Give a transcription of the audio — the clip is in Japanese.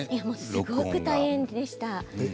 すごく大変でした。